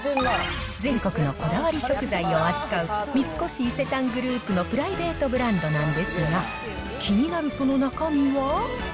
全国のこだわり食材を扱う三越伊勢丹グループのプライベートブランドなんですが、気になるその中身は。